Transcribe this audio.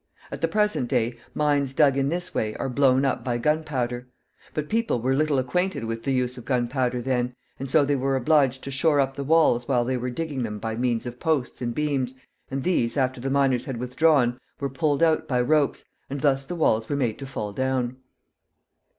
At the present day, mines dug in this way are blown up by gunpowder. But people were little acquainted with the use of gunpowder then, and so they were obliged to shore up the walls while they were digging them by means of posts and beams, and these, after the miners had withdrawn, were pulled out by ropes, and thus the walls were made to fall down.